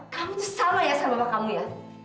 kamu tuh sama ya sama bapak kamu ya